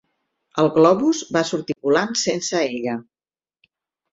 El globus va sortir volant sense ella.